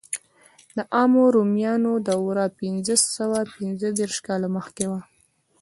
د عامو رومیانو دوره پنځه سوه پنځه دېرش کاله مخکې وه.